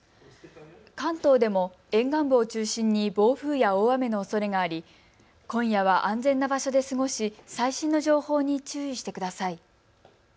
関東でも沿岸部を中心に暴風や大雨のおそれがあり今夜は安全な場所で過ごし最新の情報に注意してください。